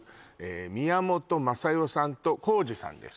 宮本雅代さんと香二さんです